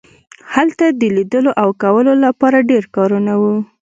هلته د لیدلو او کولو لپاره ډیر کارونه وو